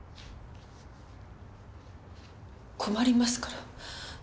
困りますから。